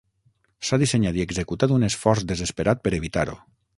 S'ha dissenyat i executat un esforç desesperat per evitar-ho.